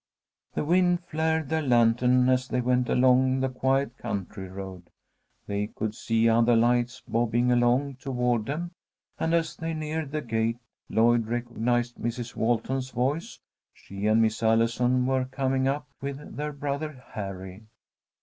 The wind flared their lantern as they went along the quiet country road. They could see other lights bobbing along toward them, and, as they neared the gate, Lloyd recognized Mrs. Walton's voice. She and Miss Allison were coming up with their brother Harry.